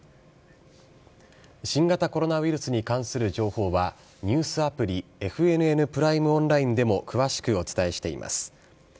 新型コロナウイルスに関する情報は、ニュースアプリ、ＦＮＮプライムオンラインでも詳しくお伝えしています。